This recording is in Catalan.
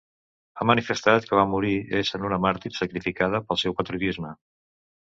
Ha manifestat que va morir essent una màrtir sacrificada pel seu patriotisme.